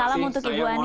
salam untuk ibu ani